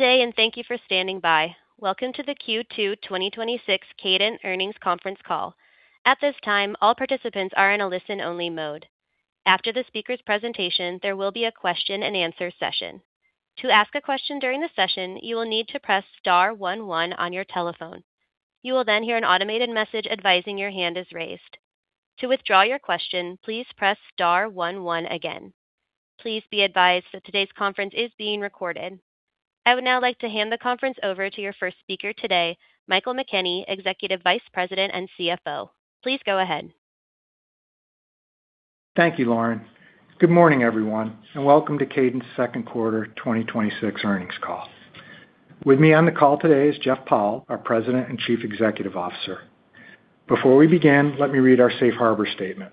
Good day. Thank you for standing by. Welcome to the Q2 2026 Kadant Earnings Conference Call. At this time, all participants are in a listen-only mode. After the speaker's presentation, there will be a question-and-answer session. To ask a question during the session, you will need to press star one one on your telephone. You will then hear an automated message advising your hand is raised. To withdraw your question, please press star one one again. Please be advised that today's conference is being recorded. I would now like to hand the conference over to your first speaker today, Michael McKenney, Executive Vice President and CFO. Please go ahead. Thank you, Lauren. Good morning, everyone. Welcome to Kadant's second quarter 2026 earnings call. With me on the call today is Jeff Powell, our President and Chief Executive Officer. Before we begin, let me read our safe harbor statement.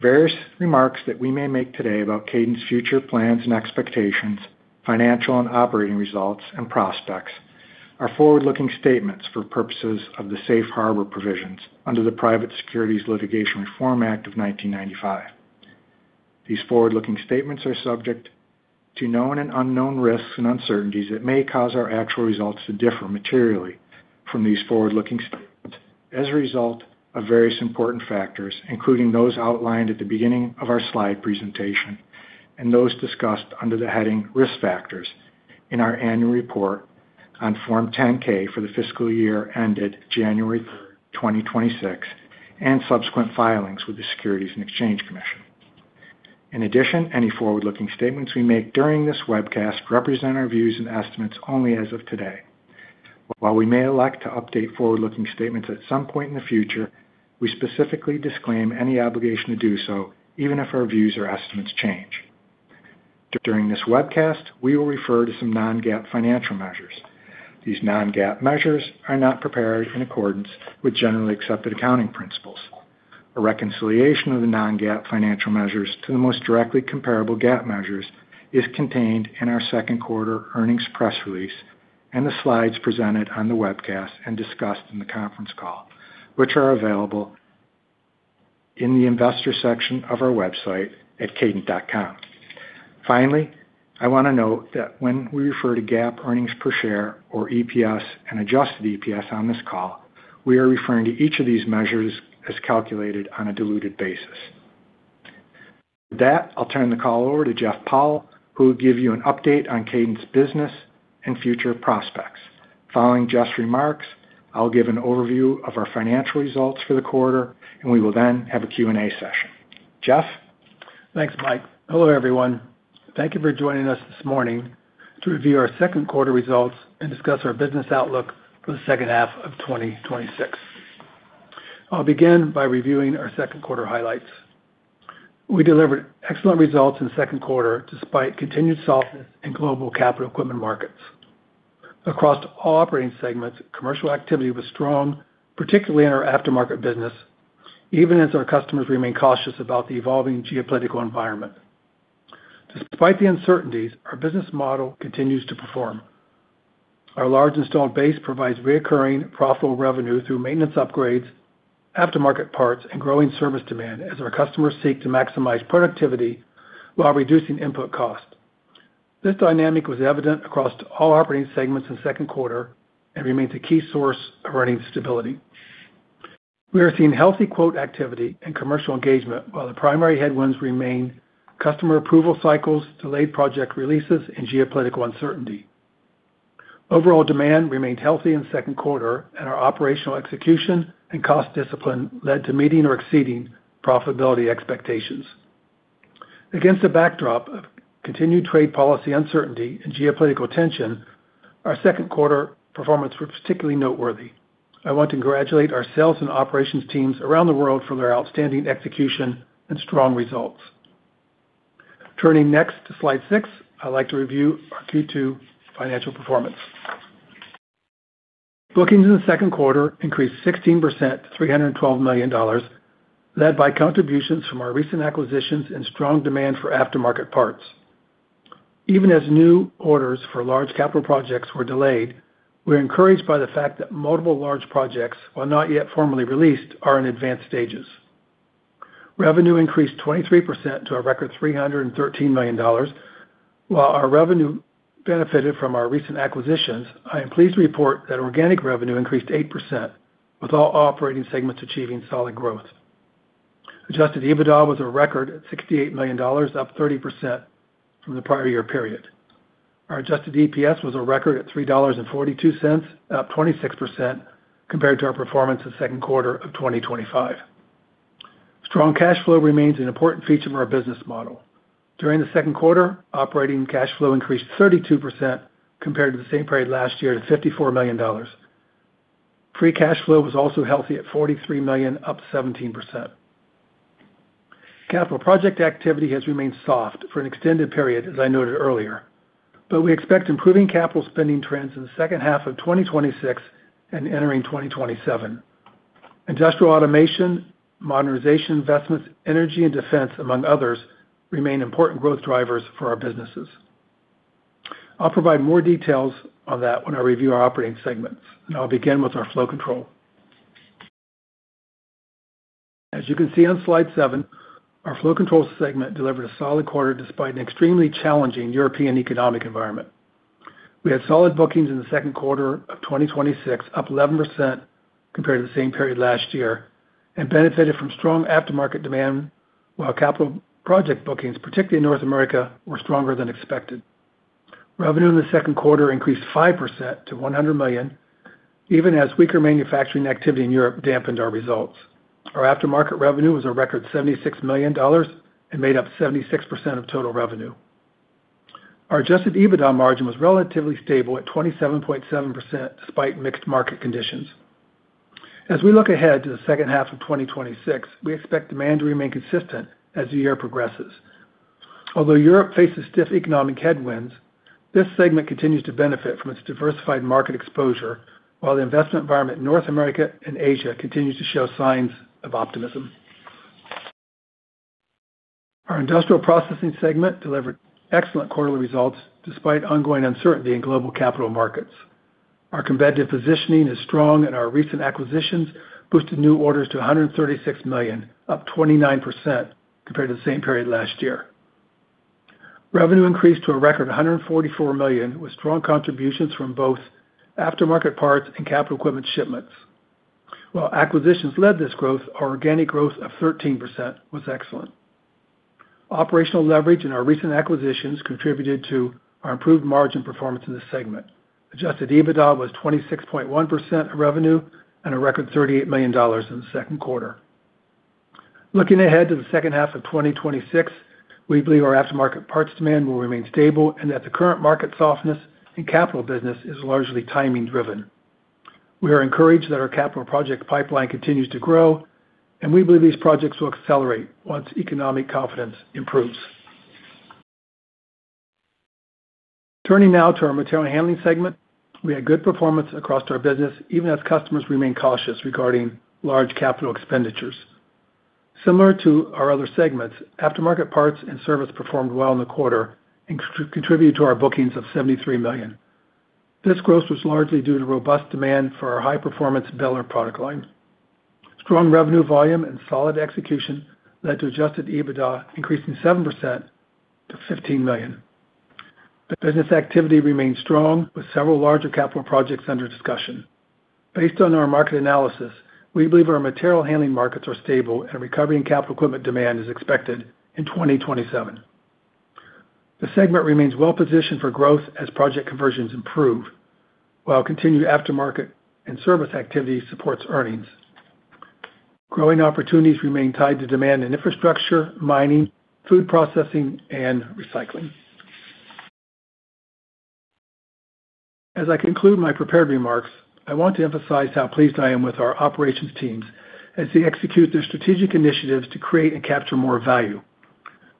Various remarks that we may make today about Kadant's future plans and expectations, financial and operating results, and prospects are forward-looking statements for purposes of the safe harbor provisions under the Private Securities Litigation Reform Act of 1995. These forward-looking statements are subject to known and unknown risks and uncertainties that may cause our actual results to differ materially from these forward-looking statements as a result of various important factors, including those outlined at the beginning of our slide presentation and those discussed under the heading Risk Factors in our annual report on Form 10-K for the fiscal year ended January 3rd, 2026, and subsequent filings with the Securities and Exchange Commission. In addition, any forward-looking statements we make during this webcast represent our views and estimates only as of today. While we may elect to update forward-looking statements at some point in the future, we specifically disclaim any obligation to do so, even if our views or estimates change. During this webcast, we will refer to some non-GAAP financial measures. These non-GAAP measures are not prepared in accordance with generally accepted accounting principles. A reconciliation of the non-GAAP financial measures to the most directly comparable GAAP measures is contained in our second quarter earnings press release and the slides presented on the webcast and discussed in the conference call, which are available in the investor section of our website at kadant.com. Finally, I want to note that when we refer to GAAP earnings per share or EPS and adjusted EPS on this call, we are referring to each of these measures as calculated on a diluted basis. With that, I'll turn the call over to Jeff Powell, who will give you an update on Kadant's business and future prospects. Following Jeff's remarks, I'll give an overview of our financial results for the quarter, and we will then have a Q&A session. Jeff? Thanks, Mike. Hello, everyone. Thank you for joining us this morning to review our second quarter results and discuss our business outlook for the second half of 2026. I'll begin by reviewing our second quarter highlights. We delivered excellent results in the second quarter despite continued softness in global capital equipment markets. Across all operating segments, commercial activity was strong, particularly in our aftermarket business, even as our customers remain cautious about the evolving geopolitical environment. Despite the uncertainties, our business model continues to perform. Our large installed base provides reoccurring profitable revenue through maintenance upgrades, aftermarket parts, and growing service demand as our customers seek to maximize productivity while reducing input cost. This dynamic was evident across all operating segments in the second quarter and remains a key source of earnings stability. We are seeing healthy quote activity and commercial engagement while the primary headwinds remain customer approval cycles, delayed project releases, and geopolitical uncertainty. Overall demand remained healthy in the second quarter. Our operational execution and cost discipline led to meeting or exceeding profitability expectations. Against a backdrop of continued trade policy uncertainty and geopolitical tension, our second quarter performance was particularly noteworthy. I want to congratulate our sales and operations teams around the world for their outstanding execution and strong results. Turning next to slide six, I'd like to review our Q2 financial performance. Bookings in the second quarter increased 16% to $312 million, led by contributions from our recent acquisitions and strong demand for aftermarket parts. Even as new orders for large capital projects were delayed, we're encouraged by the fact that multiple large projects, while not yet formally released, are in advanced stages. Revenue increased 23% to a record $313 million. While our revenue benefited from our recent acquisitions, I am pleased to report that organic revenue increased 8%, with all operating segments achieving solid growth. Adjusted EBITDA was a record at $68 million, up 30% from the prior year period. Our adjusted EPS was a record at $3.42, up 26% compared to our performance in the second quarter of 2025. Strong cash flow remains an important feature of our business model. During the second quarter, operating cash flow increased 32% compared to the same period last year to $54 million. Free cash flow was also healthy at $43 million, up 17%. Capital project activity has remained soft for an extended period, as I noted earlier. We expect improving capital spending trends in the second half of 2026 and entering 2027. Industrial automation, modernization investments, energy, and defense, among others, remain important growth drivers for our businesses. I'll provide more details on that when I review our operating segments. I'll begin with our Flow Control. As you can see on slide seven, our Flow Control segment delivered a solid quarter despite an extremely challenging European economic environment. We had solid bookings in the second quarter of 2026, up 11% compared to the same period last year, and benefited from strong aftermarket demand, while capital project bookings, particularly in North America, were stronger than expected. Revenue in the second quarter increased 5% to $100 million, even as weaker manufacturing activity in Europe dampened our results. Our aftermarket revenue was a record $76 million and made up 76% of total revenue. Our adjusted EBITDA margin was relatively stable at 27.7% despite mixed market conditions. As we look ahead to the second half of 2026, we expect demand to remain consistent as the year progresses. Although Europe faces stiff economic headwinds, this segment continues to benefit from its diversified market exposure, while the investment environment in North America and Asia continues to show signs of optimism. Our Industrial Processing segment delivered excellent quarterly results despite ongoing uncertainty in global capital markets. Our competitive positioning is strong, and our recent acquisitions boosted new orders to $136 million, up 29% compared to the same period last year. Revenue increased to a record $144 million, with strong contributions from both aftermarket parts and capital equipment shipments. While acquisitions led this growth, our organic growth of 13% was excellent. Operational leverage in our recent acquisitions contributed to our improved margin performance in this segment. Adjusted EBITDA was 26.1% of revenue and a record $38 million in the second quarter. Looking ahead to the second half of 2026, we believe our aftermarket parts demand will remain stable, and that the current market softness in capital business is largely timing driven. We are encouraged that our capital project pipeline continues to grow, and we believe these projects will accelerate once economic confidence improves. Turning now to our Material Handling segment, we had good performance across our business, even as customers remain cautious regarding large capital expenditures. Similar to our other segments, aftermarket parts and service performed well in the quarter and contributed to our bookings of $73 million. This growth was largely due to robust demand for our high-performance BELA product line. Strong revenue volume and solid execution led to adjusted EBITDA increasing 7% to $15 million. The business activity remains strong with several larger capital projects under discussion. Based on our market analysis, we believe our material handling markets are stable, and recovery in capital equipment demand is expected in 2027. The segment remains well-positioned for growth as project conversions improve, while continued aftermarket and service activity supports earnings. Growing opportunities remain tied to demand in infrastructure, mining, food processing, and recycling. As I conclude my prepared remarks, I want to emphasize how pleased I am with our operations teams as they execute their strategic initiatives to create and capture more value.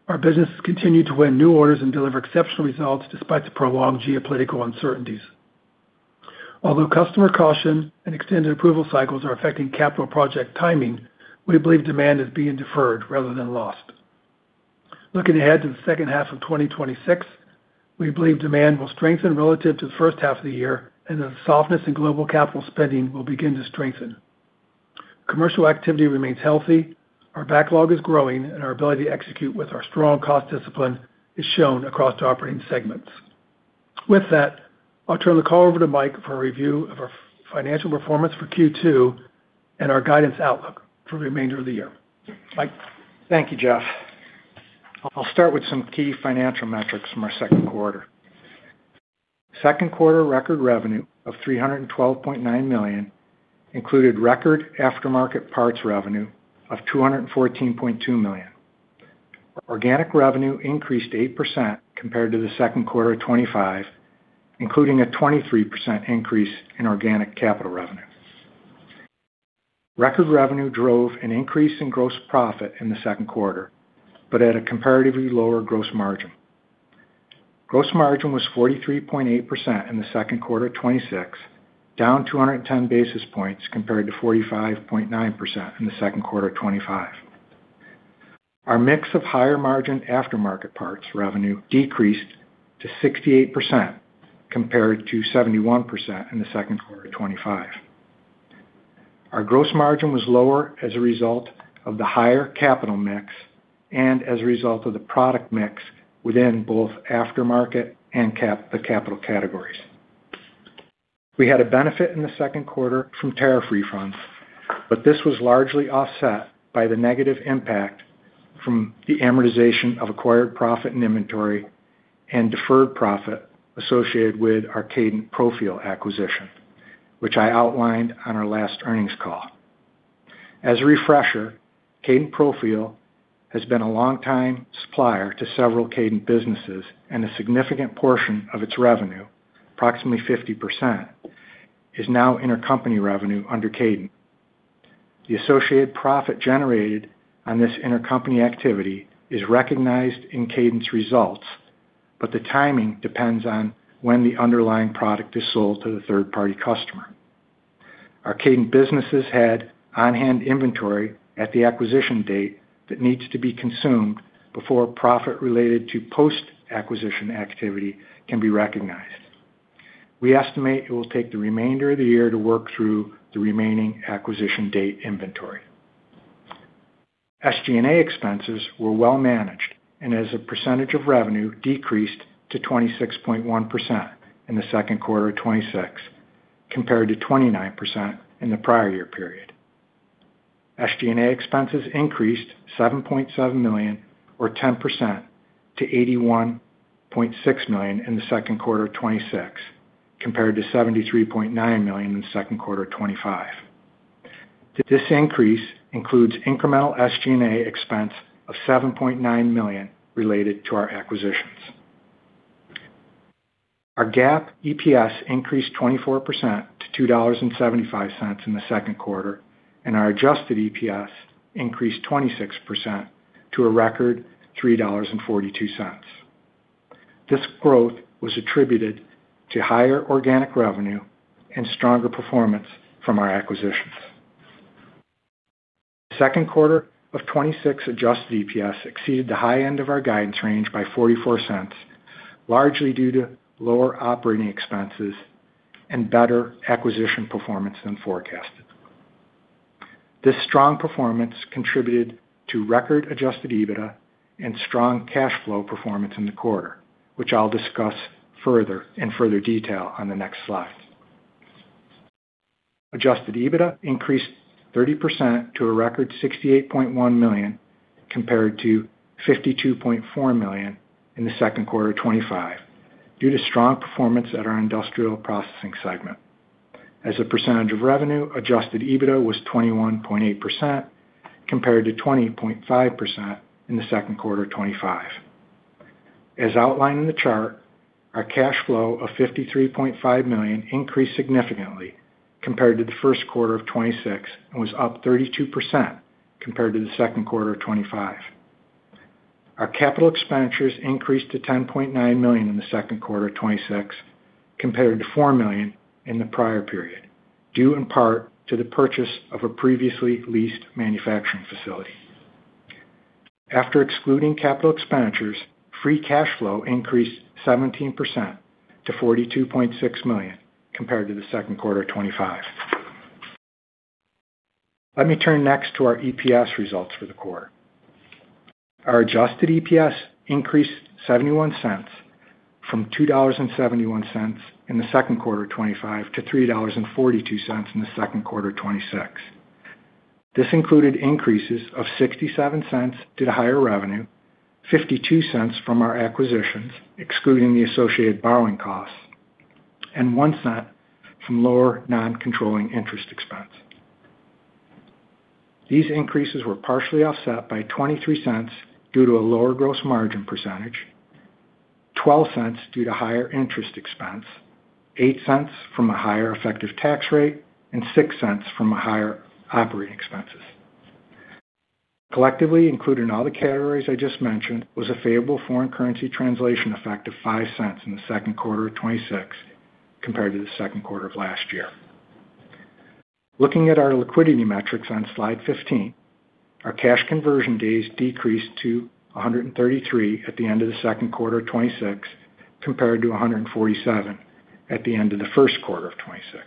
Our business has continued to win new orders and deliver exceptional results despite the prolonged geopolitical uncertainties. Although customer caution and extended approval cycles are affecting capital project timing, we believe demand is being deferred rather than lost. Looking ahead to the second half of 2026, we believe demand will strengthen relative to the first half of the year and that the softness in global capital spending will begin to strengthen. Commercial activity remains healthy. Our backlog is growing, and our ability to execute with our strong cost discipline is shown across the operating segments. With that, I'll turn the call over to Mike for a review of our financial performance for Q2 and our guidance outlook for the remainder of the year. Mike? Thank you, Jeff. I'll start with some key financial metrics from our second quarter. Second quarter record revenue of $312.9 million included record aftermarket parts revenue of $214.2 million. Organic revenue increased 8% compared to the second quarter of 2025, including a 23% increase in organic capital revenue. Record revenue drove an increase in gross profit in the second quarter, but at a comparatively lower gross margin. Gross margin was 43.8% in the second quarter of 2026, down 210 basis points compared to 45.9% in the second quarter of 2025. Our mix of higher margin aftermarket parts revenue decreased to 68% compared to 71% in the second quarter of 2025. Our gross margin was lower as a result of the higher capital mix and as a result of the product mix within both aftermarket and the capital categories. We had a benefit in the second quarter from tariff refunds, but this was largely offset by the negative impact from the amortization of acquired profit and inventory and deferred profit associated with our Kadant Profil acquisition, which I outlined on our last earnings call. As a refresher, Kadant Profil has been a longtime supplier to several Kadant businesses, and a significant portion of its revenue, approximately 50%, is now intercompany revenue under Kadant. The associated profit generated on this intercompany activity is recognized in Kadant's results, but the timing depends on when the underlying product is sold to the third-party customer. Our Kadant businesses had on-hand inventory at the acquisition date that needs to be consumed before profit related to post-acquisition activity can be recognized. We estimate it will take the remainder of the year to work through the remaining acquisition date inventory. SG&A expenses were well managed, and as a percentage of revenue decreased to 26.1% in the second quarter of 2026, compared to 29% in the prior year period. SG&A expenses increased $7.7 million, or 10%, to $81.6 million in the second quarter of 2026, compared to $73.9 million in the second quarter of 2025. This increase includes incremental SG&A expense of $7.9 million related to our acquisitions. Our GAAP EPS increased 24% to $2.75 in the second quarter, and our adjusted EPS increased 26% to a record $3.42. This growth was attributed to higher organic revenue and stronger performance from our acquisitions. Second quarter of 2026 adjusted EPS exceeded the high end of our guidance range by $0.44, largely due to lower operating expenses and better acquisition performance than forecasted. This strong performance contributed to record adjusted EBITDA and strong cash flow performance in the quarter, which I'll discuss in further detail on the next slide. Adjusted EBITDA increased 30% to a record $68.1 million, compared to $52.4 million in the second quarter of 2025, due to strong performance at our Industrial Processing segment. As a percentage of revenue, adjusted EBITDA was 21.8%, compared to 20.5% in the second quarter of 2025. As outlined in the chart, our cash flow of $53.5 million increased significantly compared to the first quarter of 2026 and was up 32% compared to the second quarter of 2025. Our capital expenditures increased to $10.9 million in the second quarter of 2026 compared to $4 million in the prior period, due in part to the purchase of a previously leased manufacturing facility. After excluding capital expenditures, free cash flow increased 17% to $42.6 million compared to the second quarter of 2025. Let me turn next to our EPS results for the quarter. Our adjusted EPS increased $0.71 from $2.71 in the second quarter of 2025 to $3.42 in the second quarter of 2026. This included increases of $0.67 due to higher revenue, $0.52 from our acquisitions, excluding the associated borrowing costs, and $0.01 from lower non-controlling interest expense. These increases were partially offset by $0.23 due to a lower gross margin percentage, $0.12 due to higher interest expense, $0.08 from a higher effective tax rate, and $0.06 from a higher operating expenses. Collectively, including all the categories I just mentioned, was a favorable foreign currency translation effect of $0.05 in the second quarter of 2026 compared to the second quarter of last year. Looking at our liquidity metrics on slide 15, our cash conversion days decreased to 133 at the end of the second quarter of 2026, compared to 147 at the end of the first quarter of 2026.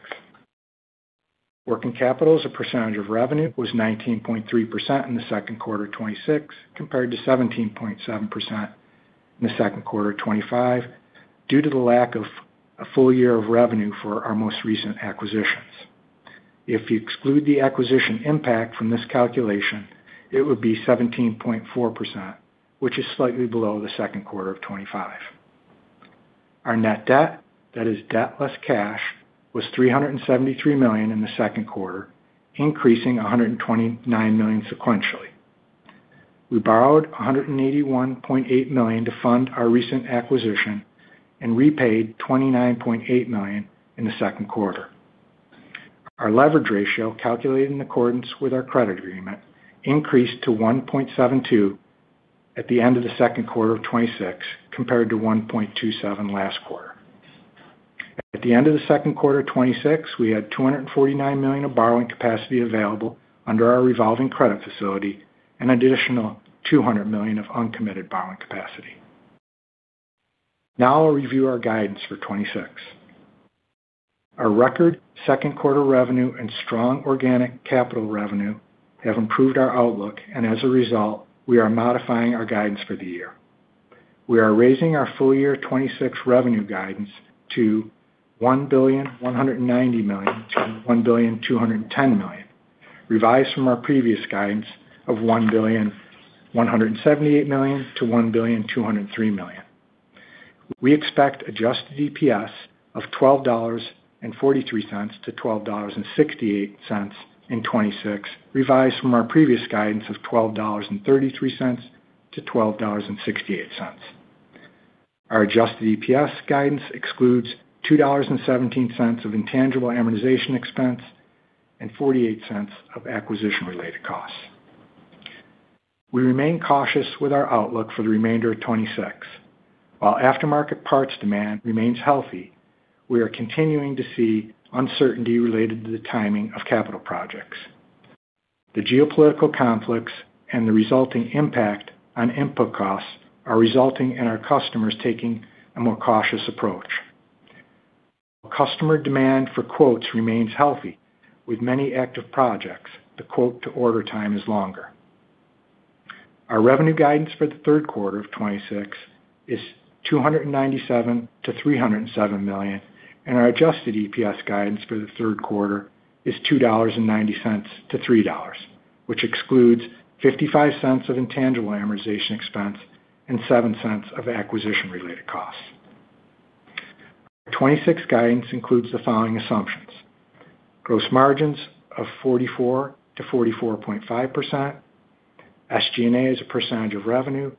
Working capital as a percentage of revenue was 19.3% in the second quarter of 2026, compared to 17.7% in the second quarter of 2025, due to the lack of a full year of revenue for our most recent acquisitions. If you exclude the acquisition impact from this calculation, it would be 17.4%, which is slightly below the second quarter of 2025. Our net debt, that is, debt less cash, was $373 million in the second quarter, increasing $129 million sequentially. We borrowed $181.8 million to fund our recent acquisition and repaid $29.8 million in the second quarter. Our leverage ratio, calculated in accordance with our credit agreement, increased to 1.72 at the end of the second quarter of 2026, compared to 1.27 last quarter. At the end of the second quarter of 2026, we had $249 million of borrowing capacity available under our revolving credit facility, an additional $200 million of uncommitted borrowing capacity. I'll review our guidance for 2026. Our record second quarter revenue and strong organic capital revenue have improved our outlook, and as a result, we are modifying our guidance for the year. We are raising our full year 2026 revenue guidance to $1.19 billion-$1.21 billion, revised from our previous guidance of $1.178 billion-$1.203 billion. We expect adjusted EPS of $12.43 to $12.68 in 2026, revised from our previous guidance of $12.33 to $12.68. Our adjusted EPS guidance excludes $2.17 of intangible amortization expense and $0.48 of acquisition-related costs. We remain cautious with our outlook for the remainder of 2026. While aftermarket parts demand remains healthy, we are continuing to see uncertainty related to the timing of capital projects. The geopolitical conflicts and the resulting impact on input costs are resulting in our customers taking a more cautious approach. Customer demand for quotes remains healthy. With many active projects, the quote to order time is longer. Our revenue guidance for the third quarter of 2026 is $297 million-$307 million, and our adjusted EPS guidance for the third quarter is $2.90-$3.00, which excludes $0.55 of intangible amortization expense and $0.07 of acquisition-related costs. Our 2026 guidance includes the following assumptions: gross margins of 44%-44.5%, SG&A as a percentage of revenue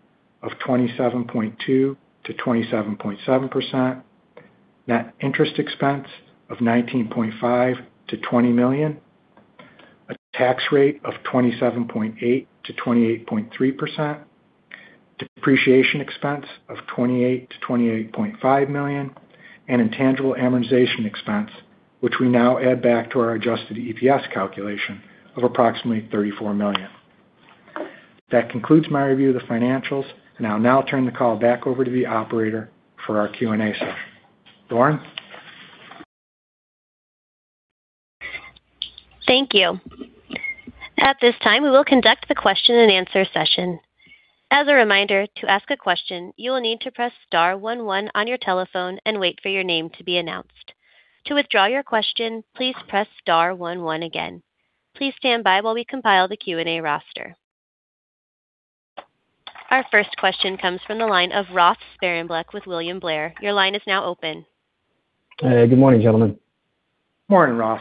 of 27.2%-27.7%, net interest expense of $19.5 million-$20 million, a tax rate of 27.8%-28.3%, depreciation expense of $28 million-$28.5 million, and intangible amortization expense, which we now add back to our adjusted EPS calculation of approximately $34 million. That concludes my review of the financials. I'll now turn the call back over to the operator for our Q&A session. Lauren? Thank you. At this time, we will conduct the question-and-answer session. As a reminder, to ask a question, you will need to press star one one on your telephone and wait for your name to be announced. To withdraw your question, please press star one one again. Please stand by while we compile the Q&A roster. Our first question comes from the line of Ross Sparenblek with William Blair. Your line is now open. Hey, good morning, gentlemen. Morning, Ross.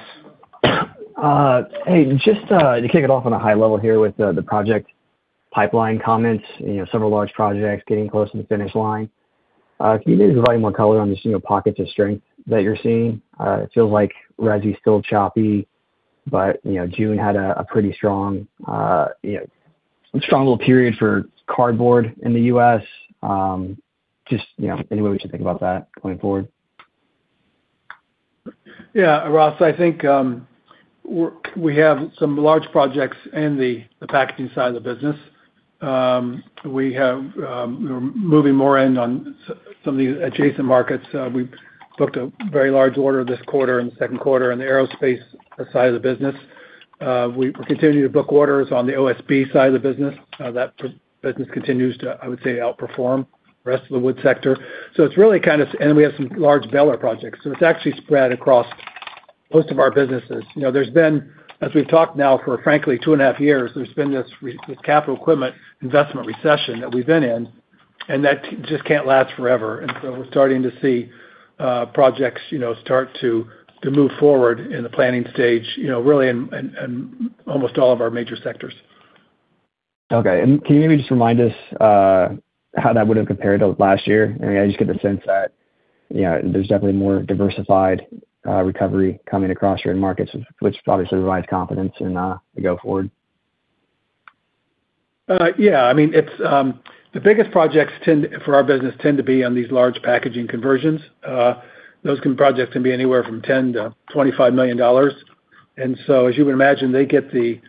Hey, just to kick it off on a high level here with the project pipeline comments, several large projects getting close to the finish line. Can you maybe just provide more color on just pockets of strength that you're seeing? It feels like resi's still choppy, but June had a pretty strong little period for cardboard in the U.S. Just any way we should think about that going forward. Yeah, Ross, I think we have some large projects in the packaging side of the business. We're moving more in on some of the adjacent markets. We booked a very large order this quarter, in the second quarter, on the aerospace side of the business. We're continuing to book orders on the OSB side of the business. That business continues to, I would say, outperform the rest of the wood sector. We have some large baler projects, so it's actually spread across most of our businesses. As we've talked now for frankly two and a half years, there's been this capital equipment investment recession that we've been in. That just can't last forever. We're starting to see projects start to move forward in the planning stage really in almost all of our major sectors. Okay. Can you maybe just remind us how that would have compared to last year? I just get the sense that there's definitely a more diversified recovery coming across your end markets, which obviously provides confidence to go forward. Yeah. The biggest projects for our business tend to be on these large packaging conversions. Those projects can be anywhere from $10 million-$25 million. As you would imagine, they get the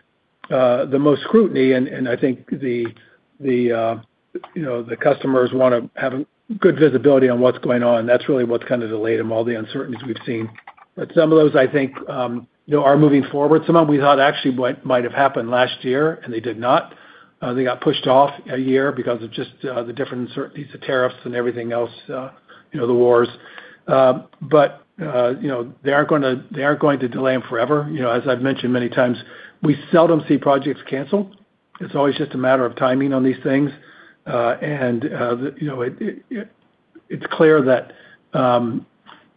most scrutiny, and I think the customers want to have good visibility on what's going on. That's really what's kind of delayed them, all the uncertainties we've seen. Some of those, I think, are moving forward. Some of them we thought actually might have happened last year, and they did not. They got pushed off a year because of just the different uncertainties of tariffs and everything else, the wars. They aren't going to delay them forever. As I've mentioned many times, we seldom see projects canceled. It's always just a matter of timing on these things. It's clear that some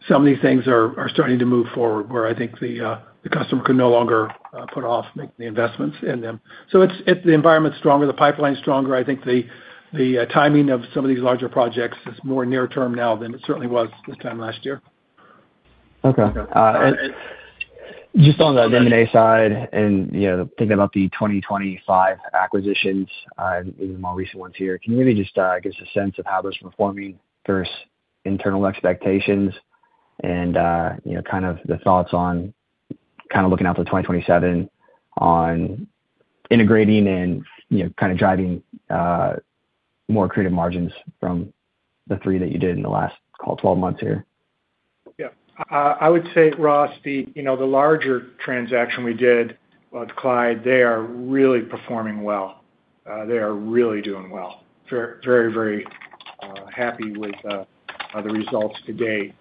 of these things are starting to move forward, where I think the customer can no longer put off making the investments in them. The environment's stronger, the pipeline's stronger. I think the timing of some of these larger projects is more near-term now than it certainly was this time last year. Okay. Just on the M&A side, thinking about the 2025 acquisitions, even the more recent ones here, can you maybe just give us a sense of how those are performing versus internal expectations and the thoughts on kind of looking out to 2027 on integrating and kind of driving more accretive margins from the three that you did in the last, call it 12 months here? Yeah. I would say, Ross, the larger transaction we did with Clyde Industries, they are really performing well. They are really doing well. Very happy with the results to date.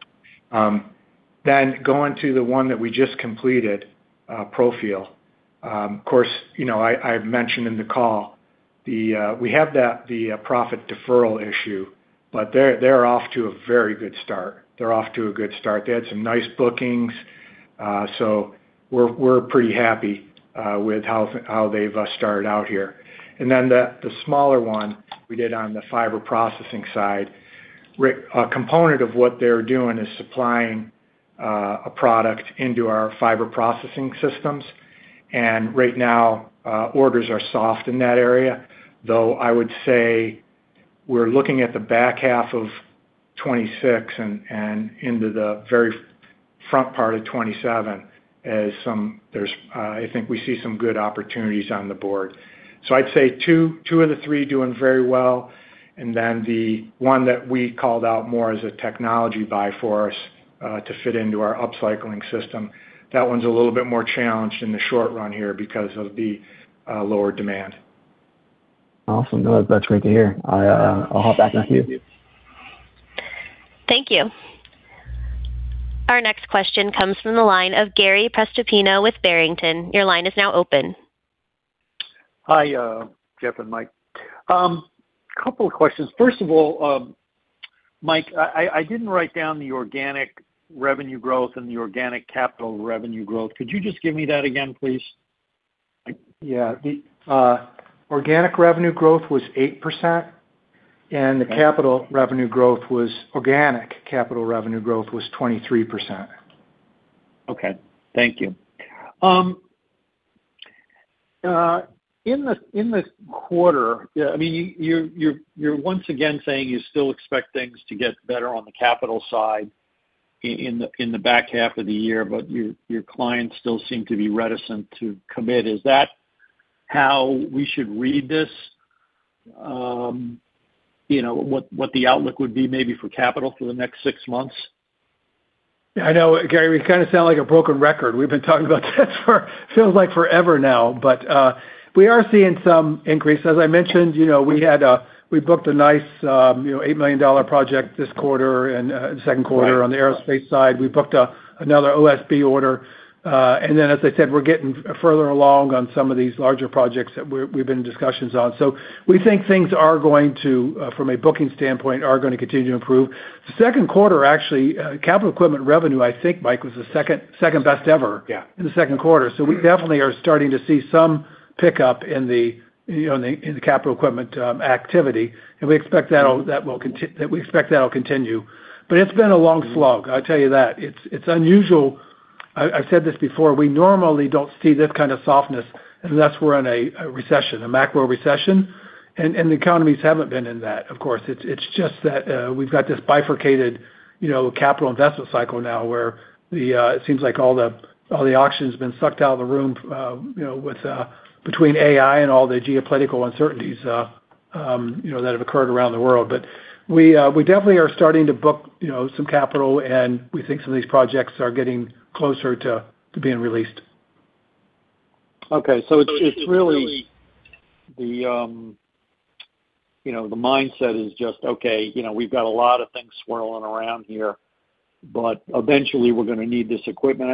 Going to the one that we just completed, Profil. Of course, I mentioned in the call we have the profit deferral issue, but they're off to a very good start. They're off to a good start. They had some nice bookings. We're pretty happy with how they've started out here. The smaller one we did on the fiber processing side, a component of what they're doing is supplying a product into our fiber processing systems. Right now, orders are soft in that area, though I would say we're looking at the back half of 2026 and into the very front part of 2027 as some I think we see some good opportunities on the board. I'd say two of the three doing very well, the one that we called out more as a technology buy for us to fit into our upcycling system. That one's a little bit more challenged in the short run here because of the lower demand. Awesome. That's great to hear. I'll hop back in a few. Thank you. Our next question comes from the line of Gary Prestopino with Barrington. Your line is now open. Hi, Jeff and Mike. Couple of questions. First of all, Mike, I didn't write down the organic revenue growth and the organic capital revenue growth. Could you just give me that again, please? The organic revenue growth was 8%, and the organic capital revenue growth was 23%. Okay. Thank you. In this quarter, you're once again saying you still expect things to get better on the capital side in the back half of the year, your clients still seem to be reticent to commit. Is that how we should read this? What the outlook would be maybe for capital for the next six months? I know, Gary, we kind of sound like a broken record. We've been talking about this feels like forever now. We are seeing some increase. As I mentioned, we booked a nice $8 million project this quarter, in the second quarter on the aerospace side. We booked another OSB order. Then, as I said, we're getting further along on some of these larger projects that we've been in discussions on. We think things are going to, from a booking standpoint, are going to continue to improve. The second quarter, actually, capital equipment revenue, I think, Mike, was the second best ever- Yeah in the second quarter. We definitely are starting to see some pickup in the capital equipment activity, and we expect that'll continue. It's been a long slog, I'll tell you that. It's unusual. I've said this before, we normally don't see this kind of softness unless we're in a recession, a macro recession. The economies haven't been in that, of course. It's just that we've got this bifurcated capital investment cycle now where it seems like all the oxygen's been sucked out of the room between AI and all the geopolitical uncertainties that have occurred around the world. We definitely are starting to book some capital, and we think some of these projects are getting closer to being released. Okay. It's really the mindset is just, Okay, we've got a lot of things swirling around here, but eventually we're going to need this equipment.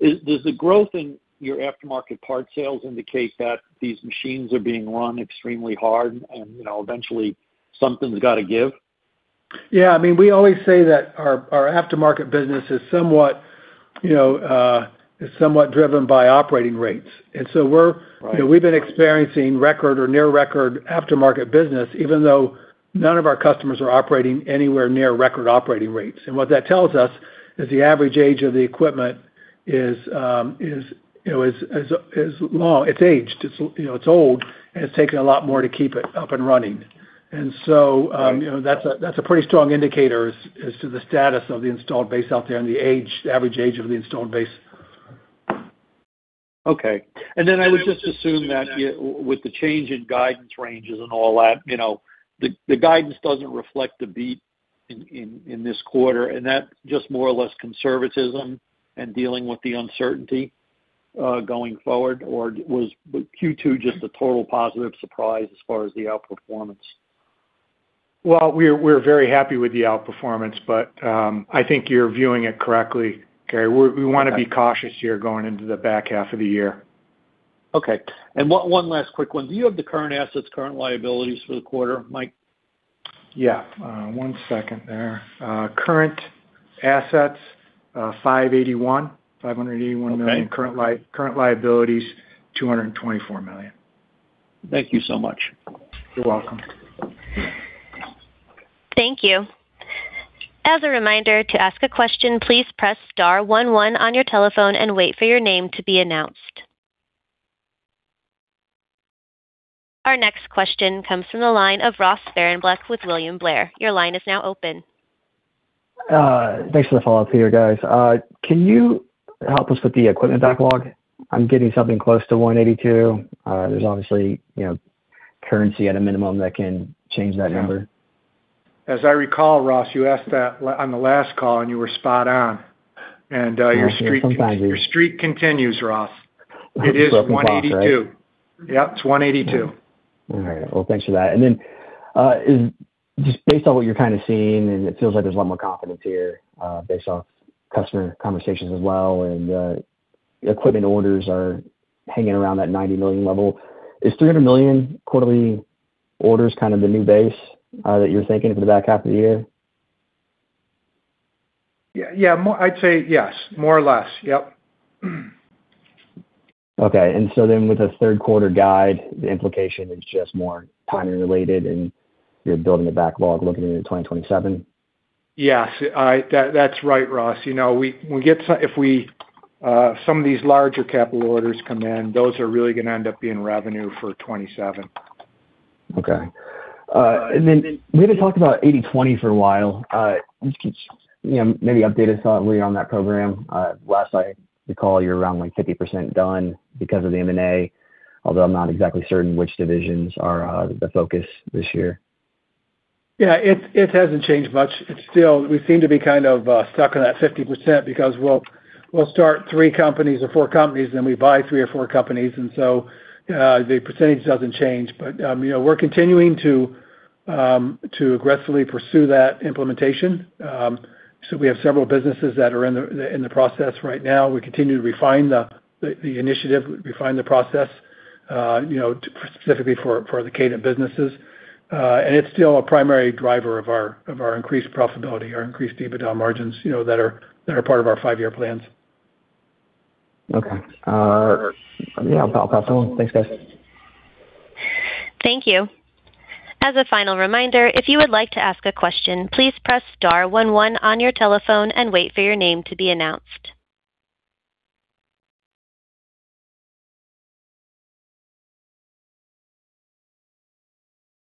Does the growth in your aftermarket part sales indicate that these machines are being run extremely hard and eventually something's got to give? We always say that our aftermarket business is somewhat driven by operating rates. We've been experiencing record or near record aftermarket business, even though none of our customers are operating anywhere near record operating rates. What that tells us is the average age of the equipment is long. It's aged. It's old, and it's taking a lot more to keep it up and running. That's a pretty strong indicator as to the status of the installed base out there and the average age of the installed base. Okay. I would just assume that with the change in guidance ranges and all that, the guidance doesn't reflect the beat in this quarter, and that's just more or less conservatism and dealing with the uncertainty going forward? Was Q2 just a total positive surprise as far as the outperformance? Well, we're very happy with the outperformance, I think you're viewing it correctly, Gary. We want to be cautious here going into the back half of the year. Okay. One last quick one. Do you have the current assets, current liabilities for the quarter, Mike? Yeah. One second there. Current assets, $581 million. Okay. Current liabilities, $224 million. Thank you so much. You're welcome. Thank you. As a reminder, to ask a question, please press star one one on your telephone and wait for your name to be announced. Our next question comes from the line of Ross Sparenblek with William Blair. Your line is now open. Thanks for the follow-up here, guys. Can you help us with the equipment backlog? I'm getting something close to $182. There's obviously currency at a minimum that can change that number. As I recall, Ross, you asked that on the last call, and you were spot on. Sometimes you're- Your streak continues, Ross. It is 182. Yep, it's 182. All right. Well, thanks for that. Just based on what you're kind of seeing, and it feels like there's a lot more confidence here based off customer conversations as well, and equipment orders are hanging around that $90 million level. Is $300 million quarterly orders kind of the new base that you're thinking for the back half of the year? Yeah. I'd say yes, more or less. Yep. Okay. With the third quarter guide, the implication is just more timing related and you're building the backlog looking into 2027? Yes, that's right, Ross. Some of these larger capital orders come in, those are really going to end up being revenue for 2027. Okay. We haven't talked about 80/20 for a while. Maybe update us on where you are on that program. Last I recall, you were around 50% done because of the M&A, although I'm not exactly certain which divisions are the focus this year. Yeah. It hasn't changed much. We seem to be kind of stuck on that 50% because we'll start three companies or four companies, then we buy three or four companies, and so the percentage doesn't change. We're continuing to aggressively pursue that implementation. We have several businesses that are in the process right now. We continue to refine the initiative, refine the process specifically for the Kadant businesses. It's still a primary driver of our increased profitability, our increased EBITDA margins, that are part of our five-year plans. Okay. Yeah, I'll pass along. Thanks, guys. Thank you. As a final reminder, if you would like to ask a question, please press star one one on your telephone and wait for your name to be announced.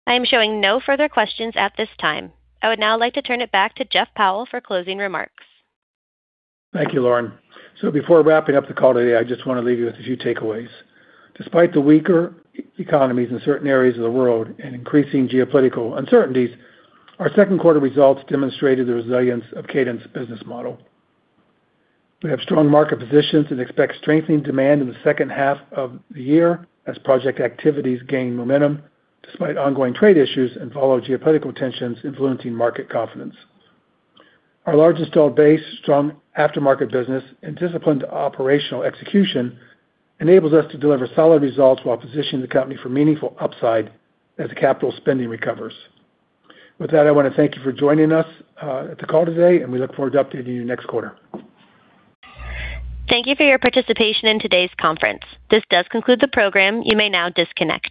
I am showing no further questions at this time. I would now like to turn it back to Jeff Powell for closing remarks. Thank you, Lauren. Before wrapping up the call today, I just want to leave you with a few takeaways. Despite the weaker economies in certain areas of the world and increasing geopolitical uncertainties, our second quarter results demonstrated the resilience of Kadant's business model. We have strong market positions and expect strengthening demand in the second half of the year as project activities gain momentum despite ongoing trade issues and follow geopolitical tensions influencing market confidence. Our large installed base, strong aftermarket business, and disciplined operational execution enables us to deliver solid results while positioning the company for meaningful upside as capital spending recovers. With that, I want to thank you for joining us at the call today, and we look forward to updating you next quarter. Thank you for your participation in today's conference. This does conclude the program. You may now disconnect.